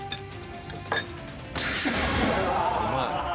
うまい？